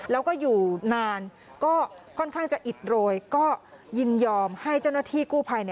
แล้วก็อยู่นานก็ค่อนข้างจะอิดโรยก็ยินยอมให้เจ้าหน้าที่กู้ภัย